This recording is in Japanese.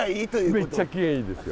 めっちゃ機嫌いいですよ。